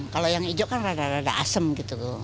kalau yang hijau kan agak agak asem gitu